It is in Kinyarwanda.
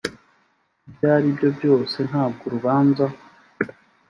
ibyo ari byo byose ntabwo urubanza